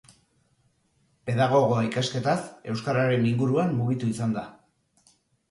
Pedagogoa ikasketaz, euskararen inguruan mugitu izan da.